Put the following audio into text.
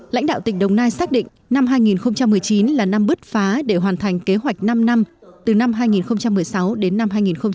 lãnh đạo tỉnh đồng nai xác định năm hai nghìn một mươi chín là năm bứt phá để hoàn thành kế hoạch năm năm từ năm hai nghìn một mươi sáu đến năm hai nghìn hai mươi